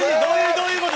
どういうことや！？